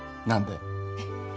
何で？